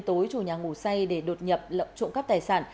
đối chủ nhà ngủ say để đột nhập trộm cắp tài sản